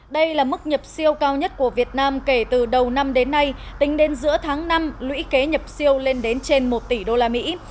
đây là mức nhập siêu cao nhất của việt nam kể từ đầu năm đến nay tính đến giữa tháng năm lũy kế nhập siêu lên đến trên một tỷ đô la mỹ